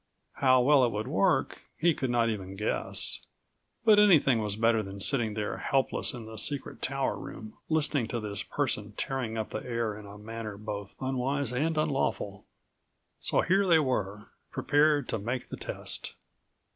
How well it would work, he could not even guess, but anything was better than sitting there helpless in56 the secret tower room listening to this person tearing up the air in a manner both unwise and unlawful. So here they were, prepared to make the test.